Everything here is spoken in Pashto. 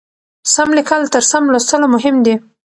سم لیکل تر سم لوستلو مهم دي.